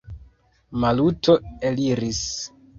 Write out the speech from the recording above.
Maluto eliris.